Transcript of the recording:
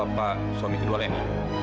apakah bapak suami kedua lenny